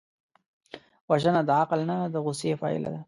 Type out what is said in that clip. وژنه د عقل نه، د غصې پایله ده